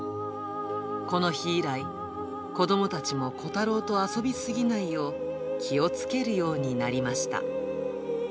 この日以来、子どもたちもコタローと遊び過ぎないよう、気をつけるようになりました。